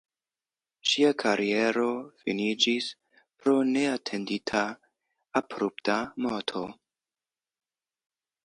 Ŝia kariero finiĝis pro neatendita abrupta morto.